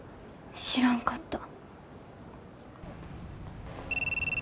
知らんかった。